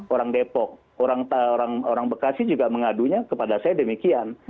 orang depok orang bekasi juga mengadunya kepada saya demikian